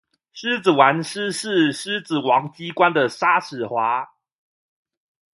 獅子丸師事獅子王機關的紗矢華